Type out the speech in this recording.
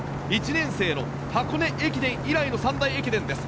１年生の箱根駅伝以来の三大駅伝です。